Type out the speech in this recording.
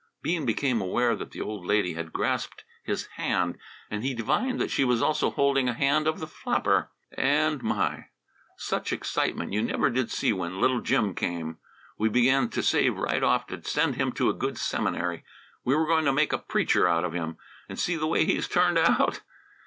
Bean became aware that the old lady had grasped his hand, and he divined that she was also holding a hand of the flapper. "And my! such excitement you never did see when little Jim came! We began to save right off to send him to a good seminary. We were going to make a preacher out of him; and see the way he's turned out!